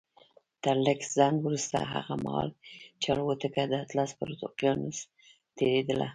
تر لږ ځنډ وروسته هغه مهال چې الوتکه د اطلس پر اقيانوس تېرېدله.